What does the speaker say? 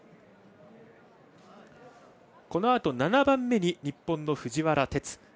このあと７番目に日本の藤原哲。